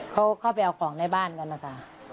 เขาเข้าไปเอาของในบ้านกันนะคะ